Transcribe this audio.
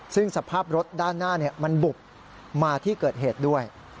ซึ่งสภาพรถด้านหน้ามันบุกมาที่เกิดเหตุด้วย